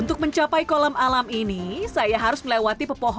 untuk mencapai ke pulau ini wisatawan harus berpenghuni dengan perahu